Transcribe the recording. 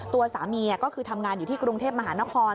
ตัวสามีก็คือทำงานอยู่ที่กรุงเทพมหานคร